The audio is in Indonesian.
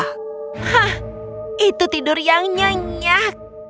hah itu tidur yang nyenyak